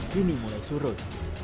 kini mulai surut